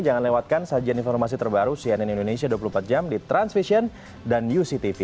jangan lewatkan sajian informasi terbaru cnn indonesia dua puluh empat jam di transvision dan uctv